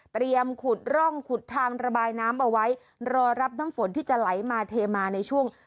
ขุดร่องขุดทางระบายน้ำเอาไว้รอรับน้ำฝนที่จะไหลมาเทมาในช่วง